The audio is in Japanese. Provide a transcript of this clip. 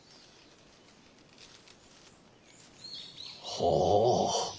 ほう。